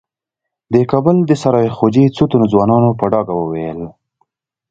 د کابل د سرای خوجې څو تنو ځوانانو په ډاګه وويل.